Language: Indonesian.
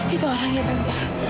itu orangnya tante